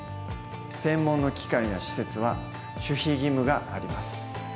専門の機関や施設は守秘義務があります。